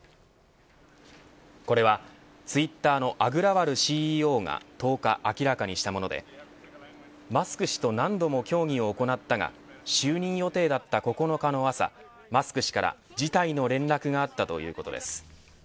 これはツイッターのアグラワルＣＥＯが１０日明らかにしたものでマスク氏と何度も協議を行ったが就任予定だった９日の朝マスク氏から辞退の連絡があったということです。